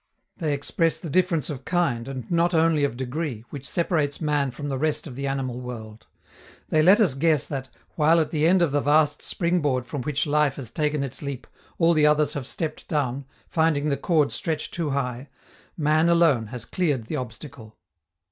They express the difference of kind, and not only of degree, which separates man from the rest of the animal world. They let us guess that, while at the end of the vast spring board from which life has taken its leap, all the others have stepped down, finding the cord stretched too high, man alone has cleared the obstacle.